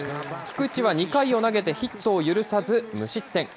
菊池は２回を投げてヒットを許さず、無失点。